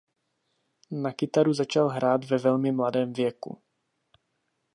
Na kytaru začal hrát ve velmi mladém věku.